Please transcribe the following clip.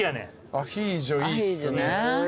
アヒージョいいっすね。